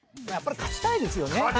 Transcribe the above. やっぱり勝ちたいですよね。